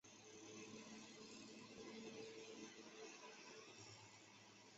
他曾是政府的美加边境线测量远征队的一名助理天文学家。